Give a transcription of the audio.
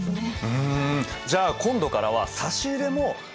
うん！